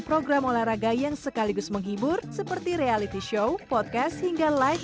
program olahraga yang sekaligus menghibur seperti reality show podcast hingga like